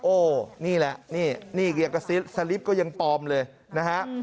นี่แหละนี่เกียร์กระซิบสลิปก็ยังปลอมเลยนะฮะ